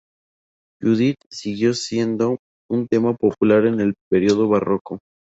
Judith siguió siendo un tema popular en el periodo barroco.